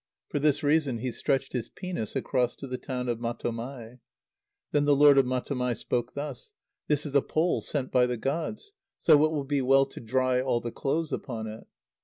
For this reason, he stretched his penis across to the town of Matomai. Then the lord of Matomai spoke thus: "This is a pole sent by the gods; so it will be well to dry all the clothes upon it."